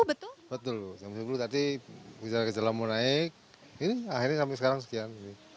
betul jam sepuluh tadi kejelang mau naik ini akhirnya sampai sekarang sekian